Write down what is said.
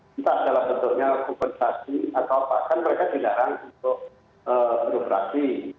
kita adalah bentuknya kompensasi atau bahkan mereka didarang untuk operasi